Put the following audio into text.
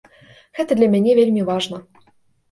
Гэта для мяне вельмі важна.